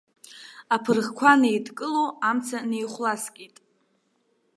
Аԥырӷқәа неидкыло, амца неихәласкит.